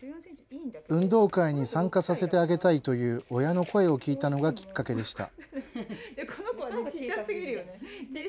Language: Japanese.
運動会に参加させてあげたいという親の声を聞いたのがきっかけでした。